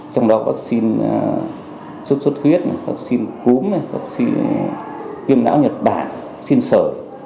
trong đó vaccine sốt sốt huyết vaccine cúm vaccine tiêm não nhật bản vaccine sở